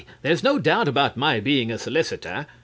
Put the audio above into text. Oh, there's no doubt about my being a solicitor.